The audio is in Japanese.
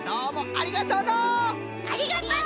ありがとう！